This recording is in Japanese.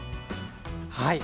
はい。